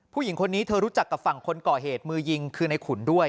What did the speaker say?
ผู้หญิงคนนี้เธอรู้จักกับฝั่งคนก่อเหตุมือยิงคือในขุนด้วย